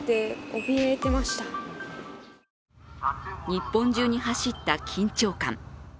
日本中に走った緊張感。